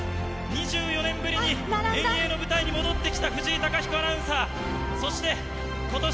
２４年ぶりに遠泳の舞台に戻ってきた藤井貴彦アナウンサー。